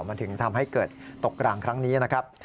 มันถึงทำให้เกิดตกกลางครั้งนี้นะครับ